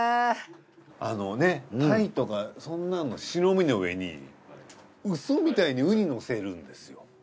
あのね鯛とかそんなの白身の上にウソみたいにうにのせるんですよ。